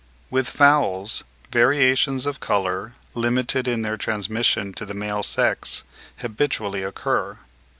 With fowls, variations of colour, limited in their transmission to the male sex, habitually occur.